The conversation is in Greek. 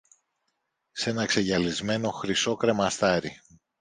σ' ένα ξεγυαλισμένο χρυσό κρεμαστάρι